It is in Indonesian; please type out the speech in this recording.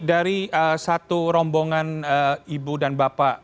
dari satu rombongan ibu dan bapak